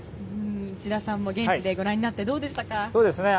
内田さんも、現地でご覧になって、どうでしたか？